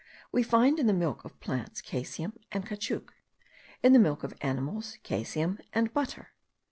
We find in the milk of plants caseum and caoutchouc; in the milk of animals, caseum and butter.